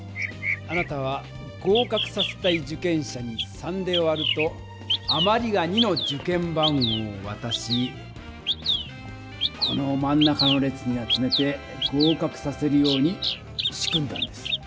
あなたは合かくさせたい受験者に３で割るとあまりが２の受験番号をわたしこのまん中の列に集めて合かくさせるように仕組んだんです。